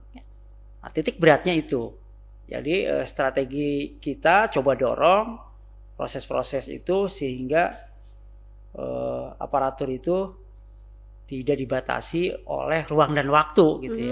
nah titik beratnya itu jadi strategi kita coba dorong proses proses itu sehingga aparatur itu tidak dibatasi oleh ruang dan waktu